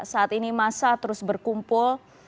saat ini masa terus berkumpul